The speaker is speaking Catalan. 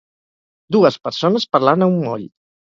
Dues persones parlant a un moll.